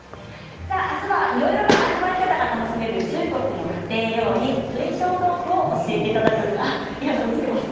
あすはいろいろな味わい方が楽しめる中国の家庭料理水晶豆腐を教えていただきます。